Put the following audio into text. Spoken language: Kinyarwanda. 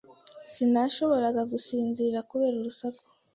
Sinashoboraga gusinzira kubera urusaku